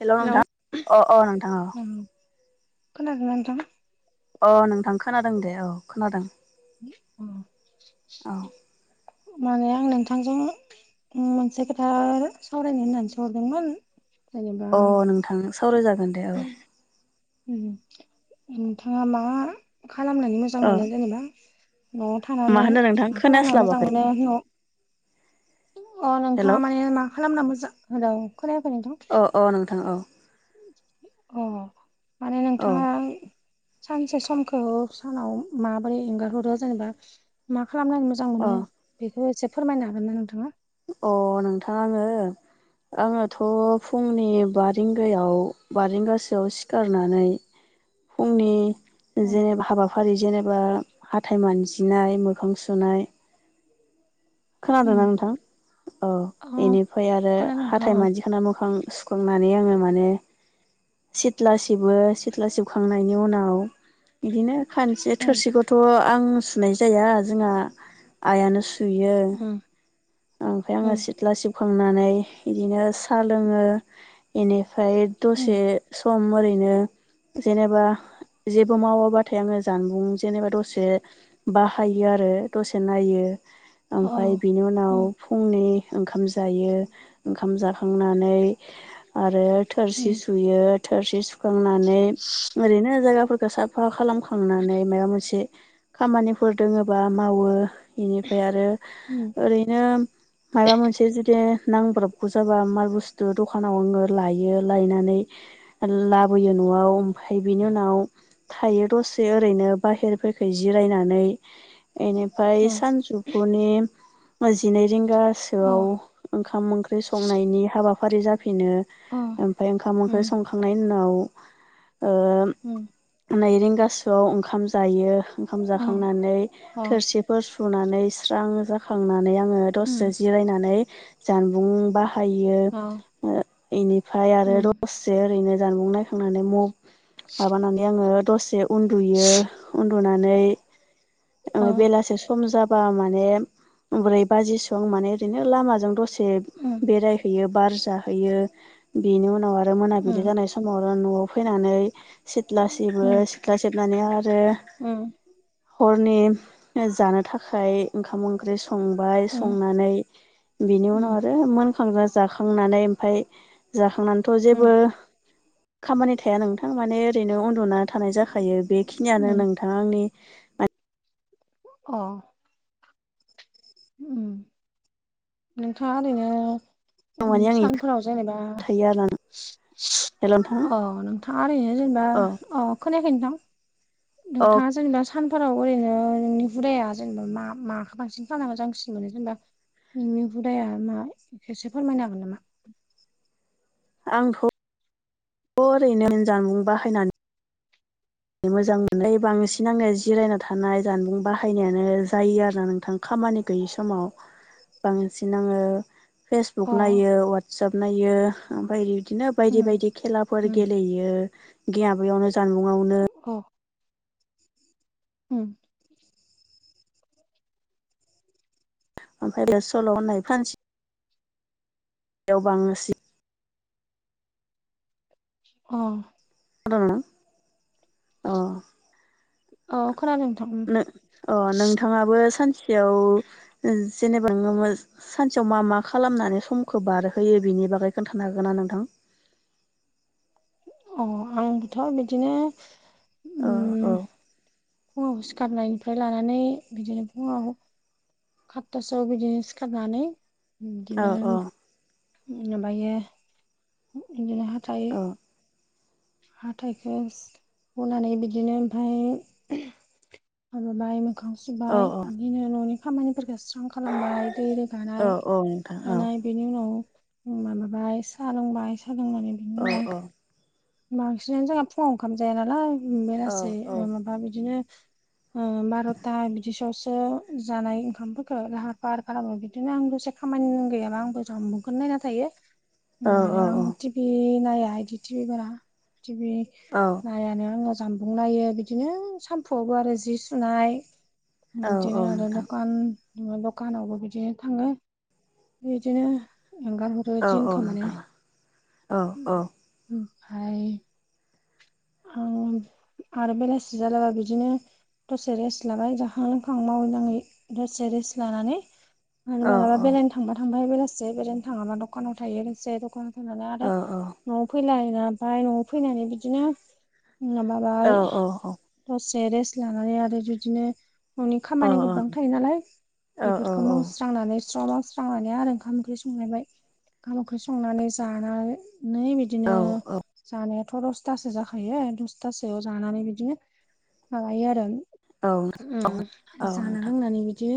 हेल' hello नोंथां अ अ नोंथां औ। खोनादोंना नोंथां? अ नोंथां खोनादों दे औ खोनादों। उम औ माने आं नोंथांजों उम मोनसे खोथा सावरायनो होननानैसो हरदोंमोन जेनेबा अ नोंथां सावरायजागोन दे औ। उम नोंथाङा मा खालामनानै मोजां अ मोनो जेनेबा? न'आव मा थानानै होनो नोंथां मा खालामनो मोजां खोनास्लाबाखै मोनो न' अ हेल' नोंथाङा माने मा खालामना मोजां हेलौ खोनायाखै नोंथां? अ अ नोंथां औ अ माने औ नोंथाङा सानसे समखौ सानाव माबोरै एंगारहरो जेनेबा मा खालामनानै मोजां अ मोनो बेखौ एसे फोरमायनो हागोन ना नोंथाङा? अ नोंथां आङो आङोथ' फुंनि बा रिंगायाव बा रिंगासोआव सिखारनानै फुंनि अ जेनेबा हाबाफारि जेनेबा हाथाय मानजिनाय मोखां सुनाय खोनादोंना नोंथां औ इनिफाय आरो खोनादों नोंथां हाथाय उम मानजिखांना मोखां सुखांनानै आङो माने सिथ्ला सिबो सिथ्ला सिबखांनायनि उनाव बिदिनो खानसे थोरसिखौ थ' आं सुनाय जाया जोंङा आइयानो सुयो। उम ओमफ्राय अ आं सिथ सिथ्ला सिबखांनानै बिदिनो साहा लोङो इनिफ्राय दसे सम ओरैनो जेनेबा जेबो मावाबाथाय आङो जानबुं जेनेबा दसे बाहायो आरो दसे नायो नोंथाङा ओमफ्राय बिनि उनाव फुंनि ओंखाम जायो ओंखाम जाखांनानै आरो थोरसि सुयो थोरसि सुखांनानै ओरैनो जायगाफोरखौ साफा खालाम खांनानै माबा मोनसे खामानिफोर दोङोबा मावो बेनिफ्राय आरो उम ओरैनो मायबा मोनसे जुदि नांब्रबगौ जाबा माल बुस्थु दखानाव आङो लायो लायनानै लाबोयो न'आव ओमफ्राय बिनि उनाव थायो दसे ओरैनो बाहेरफोरखै जिरायनानै एनिफ्राय सानजौफुनि जिनै रिंगा गोसोआव ओंखाम ओंख्रि संनायनि हाबाफारि जाफिनो ओमफ्राय ओंखाम ओंख्रि सं खांनायनि उनाव ओ उम नै रिंगासोआव ओंखाम जायो ओंखाम जाखांनानै थोरसि फोर सुनानै स्रां जाखांनानै आङो दसे जिरायनानै जानबुं बा फायो बेनिफ्राय आरो दसेसे ओरैनो जानबुं नायखांनानै म माबानानै आङो दसे उन्दुयो उन्दुनानै ओ बेलासे सम जाबा माय ने ब्रै बाजिसोआव‌ आं माने ओरैनो लामाजों दसे से बेरायहैयो बार जाहैयो बेनि उनाव आरो मोनाबिलि जानाय समाव आरो न'आव फैनानै सिथ्ला सिबो सिथ्ला सिबनानै आरो उम हरनि जानो थाखाय ओंखाम ओंख्रि संबाय संनानै बिनि उनाव आरो मोनखांना जाखांनानै ओमफ्राय जाखांनानैथ' जेबो खामानि थाया नोंथां माने ओरैनो उन्दुना थानाय जाखायो बेखिनियानो नोंथां आंनि अ उम नोंथाङा ओरैनो माने आं सानफोराव जेनेबा थायो आरो ना हेल' नोंथां अ नोंथाङा ओरैनो जेनेबा औ अ खोनायाखै नोंथां औ नोंथाङा जेनेबा सानफोराव ओरैनो नोंनि हुदाया जेनेबा मा माखौ बांसिन खामना मोजांसिन मोनो जेनेबा नोंनि हुदाया मा खेबसे फोरमायनो हागोन नामा आंथ' ओरैनो जानबुं बाहायना मोजां मोननाय बांसिन आङो जिरायना थानाय जानबुं बाहायनायानो जायो आरो ना नोंथां खामानि गैयि समाव बांसिन आङो अ फेसबुक नायो वाटसाप नायो ओमफ्राय बिदिनो बायदि उम बायदि खेलाफोर उम गेलेयो [unintelligible] जानबुङावनो अ उम ओमफ्राय बे सल' होननाय फ्रानसि याव [unintelligible] अ [unintelligible] अ औ खोनादों नोंथां उम अ नोंथाङाबो सानसेयाव जेनेबा [unintelligible] सानसेयाव मा मा खालामनानै समखौ बारहोयो बेनि बागै खोन्थानो हागोन ना नोंथां अ आंथ' बिदिनो औ औ उम फुङाव सिखारनायनिफ्राय लानानै बिदिनो फुङाव खाततासोआव बिदिनो सिखारनानै बिदिनो माबायो बिदिनो हाथाइ औ हाथाइखौ हुनानै बिदिनो ओमफ्राय माबाबाय मोखां औ सुबाय बिदिनो न'नि खामानिफोरखौ स्रां खालामबाय दै रोगा औ नाय औ नोंथां गानाय बेनि उनाव माबाबाय साहा लोंबाय साहा लोंनानै बिनि ओ उनाव ओ बांसिनानो जोंहा फुङाव ओंखाम जाया नालाय बे औ लासे औ माबा बिदिनो बार'था बिदिसोआवसो जानाय ओंखामफोरखौ लाहार फाहार खालामो बिदिनो आं दसे खामानि गैयाबा आंबो जानबुंखोनो नायना थायो औ औ औ आरो आं टिभि नाया बिदि टिभिबारा टिभि औ नायानो आङो जानबुं नायो बिदिनो सामफुआवबो आरो जि सुनाय बिदिनो नोंथां औ नोंथां औ आरो औ औ नोंथां दखान दखानावबो बिदिनो थाङो बिदिनो एंगारहरो औ दिनखो माने नोंथां औ ओमफाय आरो बेलासि जालाबा बिदिनो दसे रेस्ट लाबाय जाखां लोंखां मावै दाङै दसे रेस्ट लानानै आरो मालाबा बेरायनो थांबा थांबाय बेलासि बेरायनो थाङाबा दखानाव थायो बेसे दखान होयोनालाय आरो न'आव फैलाय न'आव फैनानै बिदिनो माबाबाय दसे रेस्ट लानानै आरो बिदिनो न'नि खामानि गोबां थायो नालाय औ बेफोरखौ मावस्रांनानै स्र' मावस्रांनानै सांनानै आरो ओंखाम ओंख्रि संलायबाय ओंखाम ओंख्रि संनानै जानानै नै बिदिनो जानायाथ' दसथासो जाखायो दसतसोयाव जानानै बिदिनो माबायो आरो उम जाना लोंनानै बिदि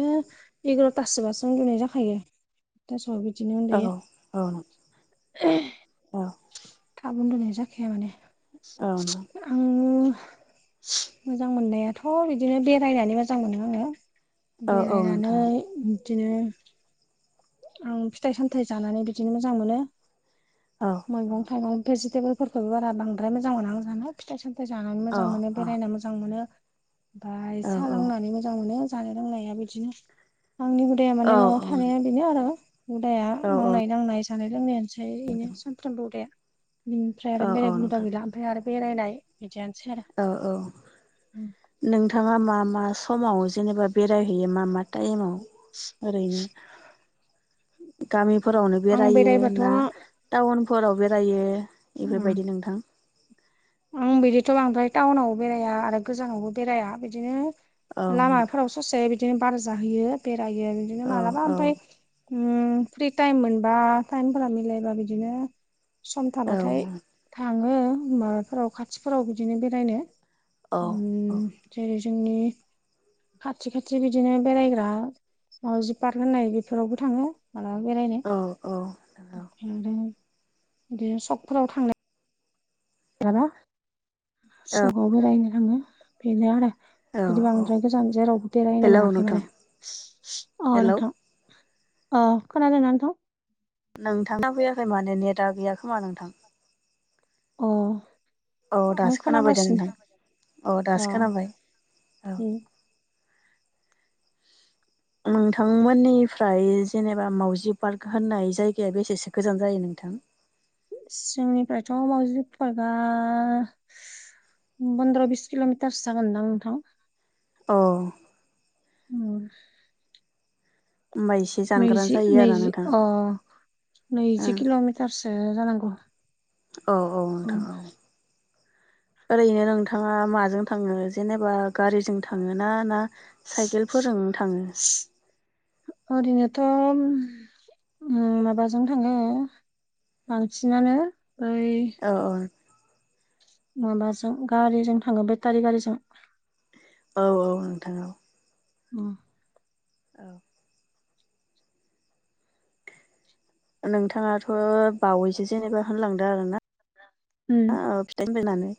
एगार'थासोबासो उन्दुनाय जाखायो [unintelligible] बिदिनो उन्दुयो [unintelligible] औ थाब उनदुनाय जाखाया माने आं मोजां मोननायाथ बिदिनो बेरायनानै मोजां मोनो आङो बेरायनानै बिदिनो आं फिथाइ सामथाइ जानानै बिदिनो मोजां मोनो औ मैगं थाइगं भेजिटेबोलफोरखौबो बांद्राय मोजां मोना आं जानो फिथाइ सामथाइ जानानै मोजां मोनो बेरायनो मोजां मोजां मोनो ओमफाय सा लोंनानै मोजां मोनो जानाय लोंनाया बिदिनो आंनि हुदाया माने न'आव थानाया बेनो आरो हुदाया मावनाय दांनाय जानाय लोंनायानोसै ओमफ्राय एनो सानफ्रामबो हुदाया बिनिफ्राय आरो बेलेग हुदा नोंथां गैला ओमफ्राय आरो बेरायनाय बिदियानोसै आरो औ औ नोंथाङा मा मा समाव जेनेबा बेरायहैयो मा मा टाइमाव ओरैनो गामिफोरावनो आं बेरायो बेरायबाथ' ना टाउनफोराव बेरायो बेफोरबायदि नोंथां आं बिदिथ बांद्राय टाउनावबो बेराया आरो गोजानावबो बेराया बिदिनो औ लामाफोरावसो ससेया बिदिनो बार जाहोयो बेरायो बिदिनो औ मालाबा औ ओमफ्राय उम फ्रि टाइम मोनबा टाइमफोरा मिलायबा बिदिनो सम औ थाबाथाय थाङो माबाफोराव खाथिफोराव बिदिनो बेरायनो औ जेरै जोंनि खाथि खाथि बिदिनो बेरायग्रा मावजि पार्क होननाय बेफोरावबो थाङो मालाबा बेरायनो औ औ बे सकफोराव थां मालाबा औ सकाव बेरायनो थाङो बेनो आरो औ बिदि औ बांद्राय गोजान जेरावबो बेरायनो हेलौ मोनाखै नोंथां माने अ हेलौ नोंथां अ खोनादोना नोंथां नोंथांना खोफैयाखै माने नेटा गैया खोमा नोंथां अ औ आं दासो खोनाबाय दे खोनागासिनो नोंथां औ अ दासो खोनाबाय औ उम नोंथांमोननिफ्राय जेनेबा मावजि पार्क होननाय जायगाया बेसेसो गोजान जायो नोंथां जों निफ्रायथ‌ मावाउजि पार्कआ पन्द्र बिस किलमिटारसो जागोनदां नोंथां अ उम होमबा एसे जानगारानो नैजि जायो आरोना नैजि नोंथां अ नैजि किलमिटारसो जानांगौ औ औ उम नोंथां औ ओरैनो नोंथाङा माजों थाङो जेनेबा गारिजों थाङो ना ना साइकेल फोरजोंनो थाङो ओरैनोथ माबाजों थाङो बांसिनानो ऐ अ अ माबाजों गारिजों थाङो बेटारि गारिजों औ औ नोंथां औ उम औ नोंथाङाथक्षबावैसो जेननिबा होनलांदो आरो ना उम फिथाइनि बायनानै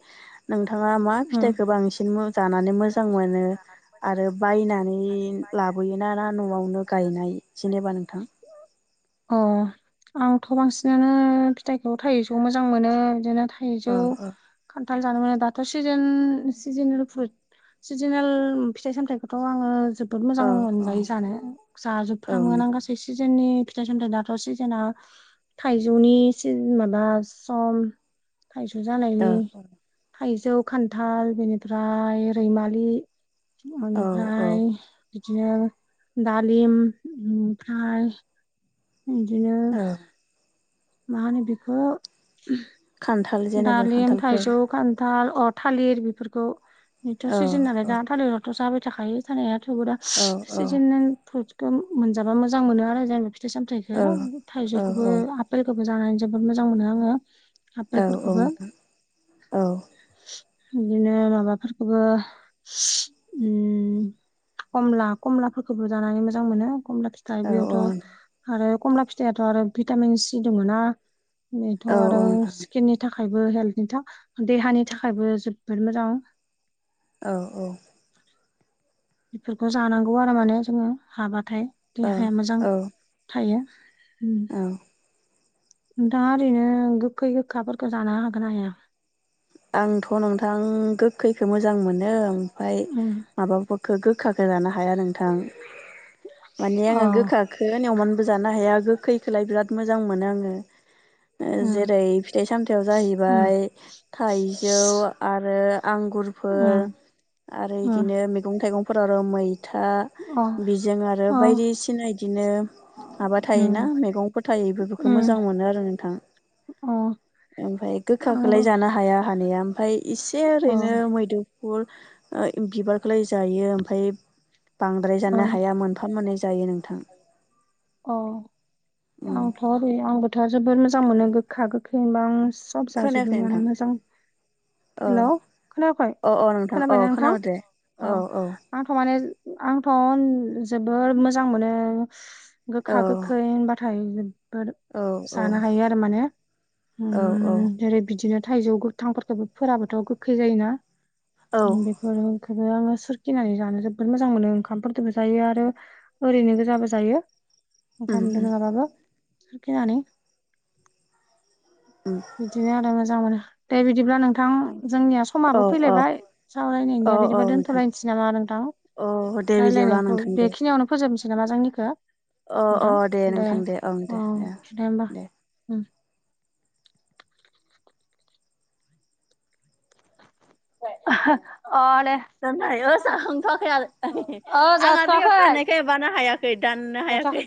नोंथाङा मा उम फिथाइखौ बांसिन मो जानानै मोजां मोनो आरो बायनानै लाबोयोन ना ना न'आवनो गायनाय जेनेबा नोंथां अ आंथ बांसिनानो फिथाइखौ थाइजौ मोजां मोनो इदिनो औ थाइजौ औ खान्थाल जानो [unintelligible] सिजोन सिजोनेल फ्रुद सिजोनेल फिथाइ सामथाइखौथ आङो जोब बहुद मोजां औ औ मोनजायो जानो औ जाजोबफ्रामोआनो आं गासिखौबो बे सिजोननि फिथाइ सामथाइ दाथ सिजोना थाइजौनि सि माबा सम थाइजौ जानायनि थाइजौ खान्थाल बेनिफ्राय रैमालि औ औ बेनिफ्राय इदिनो दालिम ओमफ्राय इदिनो औ मा होनो बेखौ खान्थाल जेनेबा दालिम खान्थालफोर थाइजौ खान्थाल अ - थालिर बेफोरखौ जोबथा औ सिजोन नालय औ दा थालिरावथ जाबाय थाखायो जानाय थेवबो दा औ औ सिजोन फ्रुदखौ मोनजाबा मोजां मोनो आरो जानो फिथाइ औ सामथायखौ औ थाइजौखौबो आपेलखौबो जानानै जोबोद मोजां मोनो आङो औ फोरखौबो इदिनो माबाफोरखौबो उम कमला कमलाफोरखौबो जानानै मोजां मोनो कमला फिथाइ औ बेयावथ आरो कमला फिथाइयावथ आरो भिटामिन सि दङना बेथ औ आरो औ नोंथां स्किननि थाखायबो हेल्थनि देहानि थाखायबो जोबोद मोजां औ औ इफोरखौ जानांगौ आरो माने जोङो हाबाथाय औ देहाया मोजां थायो उम औ नोंथाङा ओरैनो गोखै गोखाफोरखौ जानो हागोन हाया आंथ' नोंथां गोखैखो मोजां मोनो ओमफ्राय उम माबाफोरखौ गोखाखौ जानो हाया नोंथां माने अ आङो गोखा नावमानबो जानो हाया गोखैखौलाय बिराद मोजां मोनो आङो उम जेरै फिथाइ सामथाइयाव उम जाहैबाय थाइजौ आरो आंगुरफोर उम आरो उम इदिनो मैगं थाइगं फोर आरो मैथा अ बिजों आरो अ बायदिसिना बिदिनो माबा थायोना उम मैगंफोर थायो बेफोरखौ उम मोजां मोनो आरो नोंथां अ ओमफ्राय आंबो गोखाखौलाय जाना हाया हानाया ओमफाय एसे अ ओरैनो मैदुफुल बिबार फोरखौलाय जायो ओमफ्राय बांद्राय अ जानो हाया मोनफा मोननै जायो नोंथां अ उम आंथ' ओरै आंबोथ' जोबोद मोजां मोनो गोखा गोखै होनबा सब खोनायाखै जाजोबो नोंथां माने मोजां औ हेल' खोनायाखै अ अ नोंथां औ खोनाबायना खोनाबाय दे नोंथां औ औ आंथ' माने आंथ' जोबोर मोजां मोनो औ गोखा गोखै होनबाथाय औ औ जानो हायो आरो माने औ औ जेरै बिदिनो थाइजौ गोथांफोरखौबो फोराबोथ' गोखै जायोना औ बेफोरफोरखौबो आङो सोर नानै जानो जोबोद मोजां मोनो ओंखामफोरबो जायो आरो ओरैनो गोजाबो जायो उम ओंखामदों उम नङाबाबो साखिनानै उम बिदिनो आरो मोजां मोनो दे बिदिब्ला नोंथां जोंनिया औ समाबो औ फैलायबाय औ सावरायनायनिया औ बिदिब्ला नोंथां दोनथ'लाय नामा नोंथां अ दे बिदिब्ला रायलायनायखौ नोंथां दे बेखिनियावनो फोजोबनोसै नामा जोंनिखौ अ अ नोंथां दे नोंथां ओं दे औ ओ दे होमबा ओम। अ दे [unintelligible] आंहा ओ दैयाव जाथ'वाखै थानायखाय माबानो हायाखै दाननो जाथ'वाखै। हायाखै